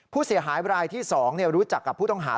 ผู้เสียหายรายที่๒รู้จักกับผู้ต้องหา